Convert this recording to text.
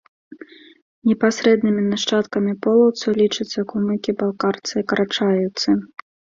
Непасрэднымі нашчадкамі полаўцаў лічацца кумыкі, балкарцы, карачаеўцы.